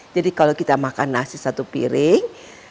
jadi kalau kita makan nasi satu piring